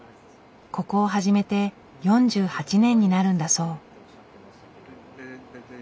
ここを始めて４８年になるんだそう。